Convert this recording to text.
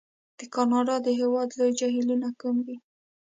د کانادا د هېواد لوی جهیلونه کوم دي؟